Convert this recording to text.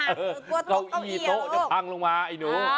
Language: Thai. กัวอี้เกาอี้โต๊ะจะพังลงมาไอ้หนู